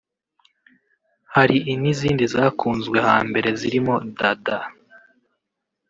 hari n’izindi zakunzwe hambere zirimo « Dat Dat »